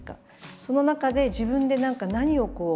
その中で自分で何か何をもって。